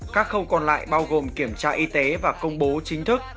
các khâu còn lại bao gồm kiểm tra y tế và công bố chính thức